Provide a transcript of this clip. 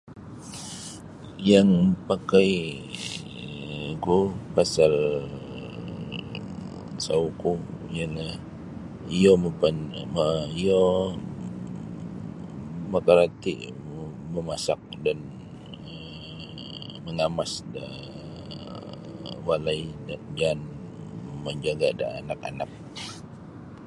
Yang mapakaiku pasal sawuku iyo no iyo mapan ma iyo magarati' mamasak dan um mangamas da walai jan manjaga' da anak-anak.